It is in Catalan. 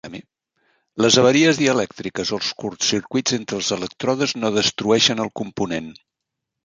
Les avaries dielèctriques o els curtcircuits entre els elèctrodes no destrueixen el component.